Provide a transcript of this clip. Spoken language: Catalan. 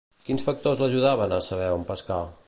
Quins factors l'ajudaven a saber on pescar?